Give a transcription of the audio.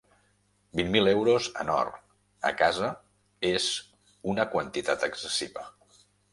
Vint mil euros en or, a casa, és una quantitat excessiva.